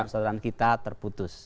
persahabatan kita terputus